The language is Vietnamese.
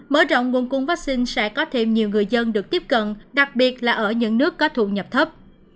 mở rộng nguồn cung vaccine sẽ có thêm nhiều người dân được tiếp cận đặc biệt là ở những nước có thu nhập thấp